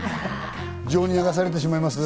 情に流されてしまいます。